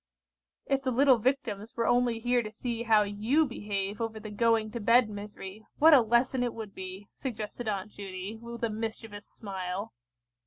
"If the little Victims were only here to see how you behave over the going to bed misery, what a lesson it would be!" suggested Aunt Judy, with a mischievous smile.